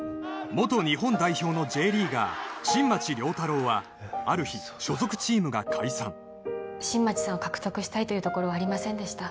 元日本代表のＪリーガー新町亮太郎はある日所属チームが解散新町さんを獲得したいというところはありませんでした